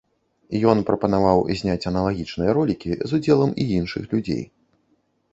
Ён прапанаваў зняць аналагічныя ролікі з удзелам і іншых людзей.